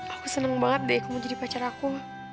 aku senang banget deh kamu jadi pacar aku